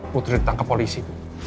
putri ditangkap polisi